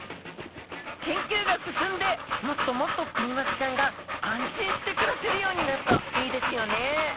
研究が進んでもっともっとクニマスちゃんが安心して暮らせるようになるといいですよね。